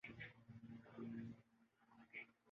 جتنا کہ اپنا۔